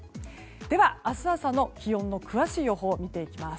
では、明日朝の気温の詳しい予報を見ていきます。